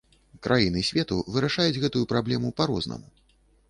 Краіны свету вырашаюць гэтую праблему па-рознаму.